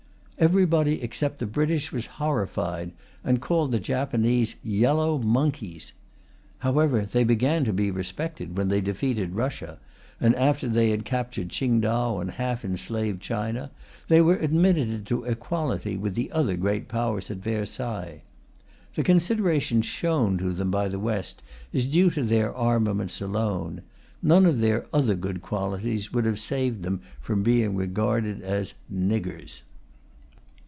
Everybody except the British was horrified, and called the Japanese "yellow monkeys." However, they began to be respected when they defeated Russia, and after they had captured Tsing tao and half enslaved China they were admitted to equality with the other Great Powers at Versailles. The consideration shown to them by the West is due to their armaments alone; none of their other good qualities would have saved them from being regarded as "niggers."